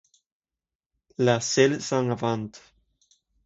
La Celle-Saint-Avant